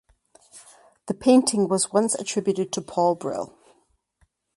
The painting was once attributed to Paul Bril.